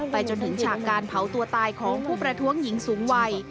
จนถึงฉากการเผาตัวตายของผู้ประท้วงหญิงสูงวัย